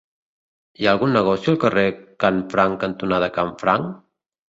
Hi ha algun negoci al carrer Canfranc cantonada Canfranc?